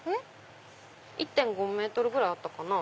１．５ｍぐらいあったかな。